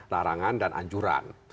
larangan dan anjuran